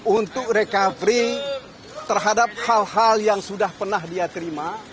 untuk recovery terhadap hal hal yang sudah pernah dia terima